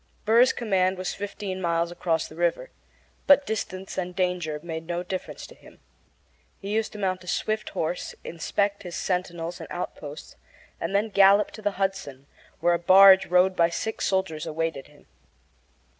Burr's command was fifteen miles across the river, but distance and danger made no difference to him. He used to mount a swift horse, inspect his sentinels and outposts, and then gallop to the Hudson, where a barge rowed by six soldiers awaited him.